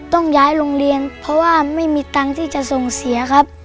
ต้องย้ายโรงเรียนเพราะว่าไม่มีตังค์ที่จะส่งเสียครับ